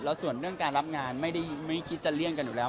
ส่วนเรื่องการรับงานไม่ได้ไม่คิดจะเลี่ยงกันอยู่แล้ว